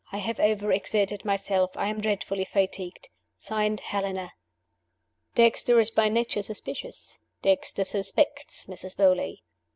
I have overexerted myself; I am dreadfully fatigued. (Signed) Helena.' Dexter is by nature suspicious. Dexter suspects Mrs. Beauly.